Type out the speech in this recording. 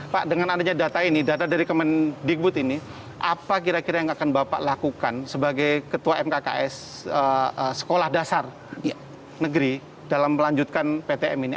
pak dengan adanya data ini data dari kemendikbud ini apa kira kira yang akan bapak lakukan sebagai ketua mkks sekolah dasar negeri dalam melanjutkan ptm ini